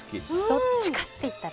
どっちかっていったら？